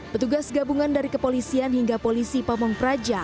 petugas gabungan dari kepolisian hingga polisi pamung praja